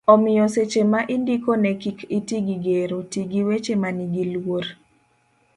omiyo seche ma indiko ne kik iti gi gero, ti gi weche manigi luor